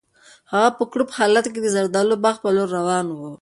هغه په کړوپ حالت کې د زردالو د باغ په لور روان و.